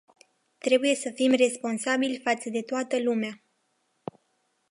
Trebuie să fim responsabili față de toată lumea.